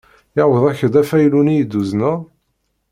Yewweḍ-ak-d ufaylu-nni i d-uzneɣ?